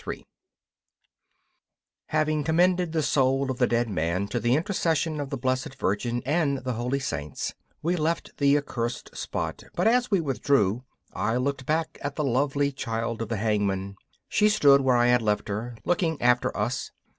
3 Having commended the soul of the dead man to the intercession of the Blessed Virgin and the Holy Saints, we left the accursed spot, but as we withdrew I looked back at the lovely child of the hangman. She stood where I had left her, looking after us.